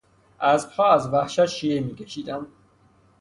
اسبها از وحشت شیهه میکشیدند.